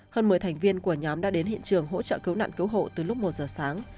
hơn một mươi thành viên của nhóm đã đến hiện trường hỗ trợ cứu nạn cứu hộ từ lúc một giờ sáng